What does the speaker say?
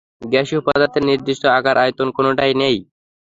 গ্যাসীয় পদার্থের নির্দিষ্ট আকার-আয়তন কোনোটাই নেই।